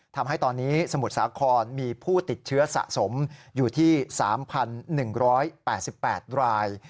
ทำให้ตอนนี้สมุทรสาครมีผู้ติดเชื้อสะสมอยู่ที่๓๑๘๘ราย